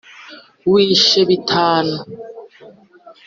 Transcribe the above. uwishe bitana